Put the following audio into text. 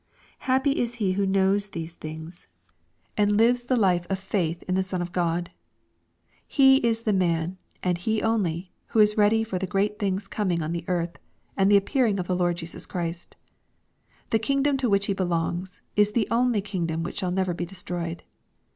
Happy is he who knows these thiu^a,^ aiid; li^^, ^h* 372 EXPOSITORY THOUGHTS. life of faith in the Son of God 1 He is the man, and he only, who is ready for the great things coming on the earth, and the appearing of the Lord Jesus Christ. The kingdom to which he belongs, is the only kingdom which shall never be destroyed.